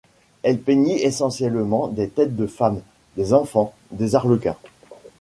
Elle peignit essentiellement des têtes de femmes, des enfants et des arlequins.